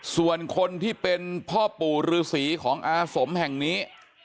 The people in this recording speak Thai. ส่วนคนที่เป็นพ่อปู่ฤษีของอาสมแห่งนี้